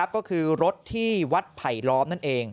ก็คือรถที่วัดไผลล้อมนั่นเอง